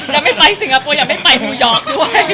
ยังไม่ไปสิงหะปูยังไม่ไปมียอคด้วย